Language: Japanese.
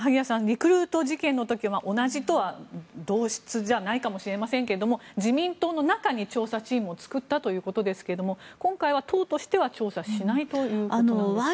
リクルート事件の時とは同じとは同質じゃないかもしれませんが自民党の中に調査チームを作ったということですが今回は党としては調査しないということですが。